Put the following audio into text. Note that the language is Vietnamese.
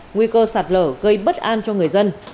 nguy cơ sạt lở gây bất an cho người dân